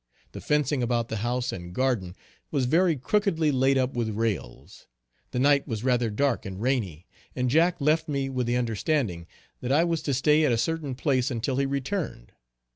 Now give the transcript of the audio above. The fencing about the house and garden was very crookedly laid up with rails. The night was rather dark and rainy, and Jack left me with the understanding that I was to stay at a certain place until he returned.